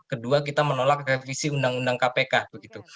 kedua kita menolak revisi undang undang kpk begitu